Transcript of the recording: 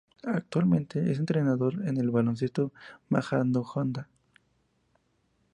Actualmente es entrenador en el Baloncesto Majadahonda.